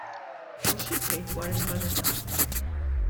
U xi tgħid dwar il-vanità?